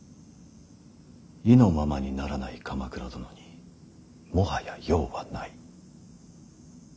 意のままにならない鎌倉殿にもはや用はない。